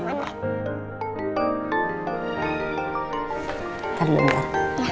ntar dulu ntar